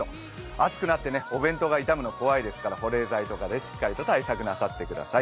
暑くなってお弁当が傷むの怖いですから保冷剤などでしっかり対策なさってください。